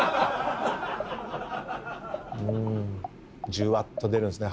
じゅわっと出るんですね